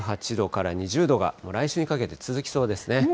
１８度から２０度が、来週にかけて続きそうですね。